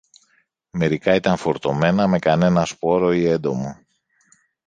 Μερικά ήταν φορτωμένα με κανένα σπόρο ή έντομο